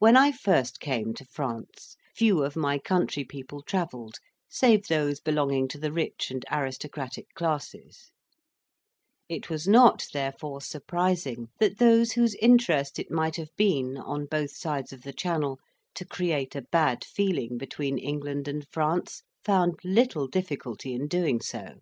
When I first came to France, few of my countrypeople travelled, save those belonging to the rich and aristocratic classes; it was not, therefore, surprising that those whose interest it might have been, on both sides of the Channel, to create a bad feeling between England and France, found little difficulty in doing so.